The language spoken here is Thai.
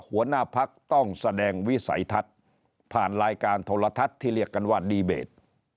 หัวหน้าพักต้องแสดงวิสัยทัศน์ผ่านรายการโทรทัศน์ที่เรียกกันว่าดีเบต